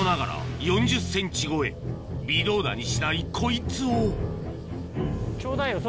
微動だにしないこいつをちょうだいよ